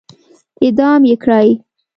اعدام يې کړئ!